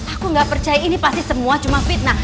aku nggak percaya ini pasti semua cuma fitnah